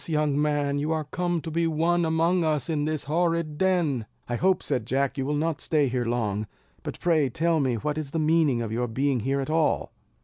young man, you are come to be one among us in this horrid den." "I hope," said Jack, "you will not stay here long; but pray tell me what is the meaning of your being here at all?"